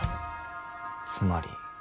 つまり。